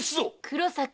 黒崎！